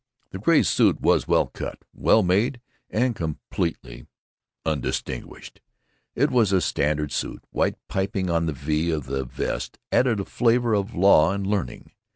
The gray suit was well cut, well made, and completely undistinguished. It was a standard suit. White piping on the V of the vest added a flavor of law and learning.